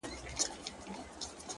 راسه چي الهام مي د زړه ور مات كـړ!!